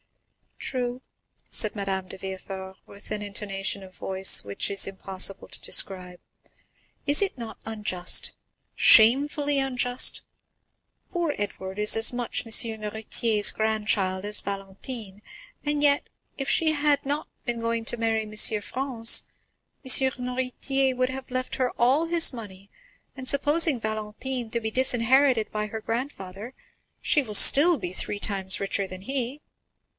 "True," said Madame de Villefort, with an intonation of voice which it is impossible to describe; "is it not unjust—shamefully unjust? Poor Edward is as much M. Noirtier's grandchild as Valentine, and yet, if she had not been going to marry M. Franz, M. Noirtier would have left her all his money; and supposing Valentine to be disinherited by her grandfather, she will still be three times richer than he."